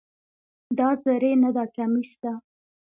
دا زری نده، کمیس ده.